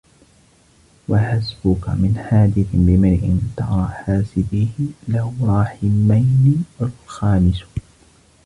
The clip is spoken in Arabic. وَحَسْبُك مِنْ حَادِثٍ بِامْرِئٍ تَرَى حَاسِدِيهِ لَهُ رَاحِمَيْنَا وَالْخَامِسُ